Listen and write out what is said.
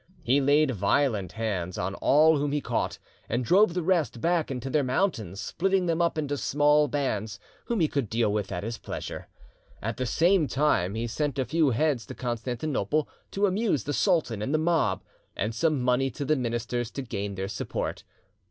He laid violent hands on all whom he caught, and drove the rest back into their mountains, splitting them up into small bands whom he could deal with at his pleasure. At the same time he sent a few heads to Constantinople, to amuse the sultan and the mob, and some money to the ministers to gain their support.